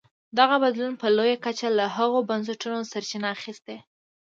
دغه بدلون په لویه کچه له هغو بنسټونو سرچینه اخیسته.